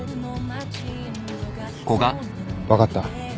分かった。